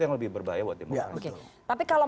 yang lebih berbahaya buat demokrasi tapi kalau